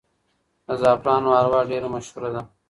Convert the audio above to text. د زعفرانو حلوا ډېره مشهوره ده.